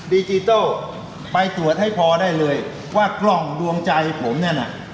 ดิจิทัลไปตรวจให้พอได้เลยว่ากล้องดวงใจผมนั่นน่ะ